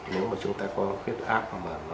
nếu mà chúng ta có huyết áp